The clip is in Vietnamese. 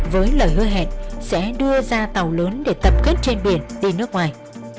với lời hứa hẹn sẽ đưa ra tàu lớn để tập kết trên biển đi nước ngoài